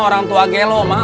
orang tua gelo mak